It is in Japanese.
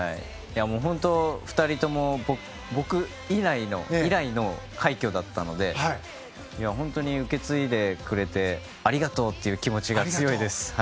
本当、２人とも僕以来の快挙だったので本当に受け継いでくれてありがとうという気持ちが強いです。